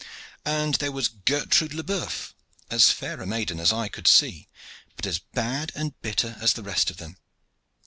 "And there was Gertrude Le Boeuf, as fair a maiden as eye could see, but as bad and bitter as the rest of them.